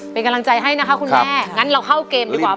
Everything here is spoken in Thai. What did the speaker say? เป็นกำลังใจให้นะคะคุณแม่งั้นเราเข้าเกมดีกว่า